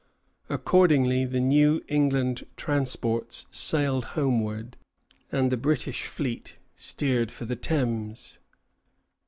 Accordingly, the New England transports sailed homeward, and the British fleet steered for the Thames.